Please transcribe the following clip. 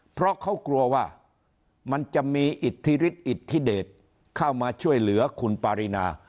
เพราะเขากลัวว่ามันจะมีอิทธิฤทธิอิทธิเดชเข้ามาช่วยเหลือคุณปารีนา